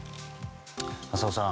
浅尾さん